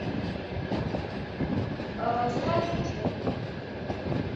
• O‘n ming kasb ichida eng qadrlisi — olimlik.